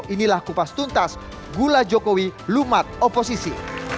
inilah kupas tuntas gula jokowi lumat oposisi